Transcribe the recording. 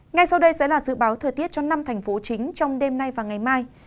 ngay sau đây sẽ là dự báo thời tiết cho năm thành phố chính trong đêm nay và ngày mai